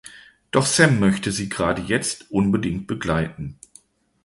Doch Sam möchte sie gerade jetzt unbedingt begleiten.